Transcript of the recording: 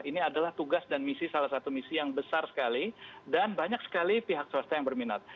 ini adalah tugas dan misi salah satu misi yang besar sekali dan banyak sekali pihak swasta yang berminat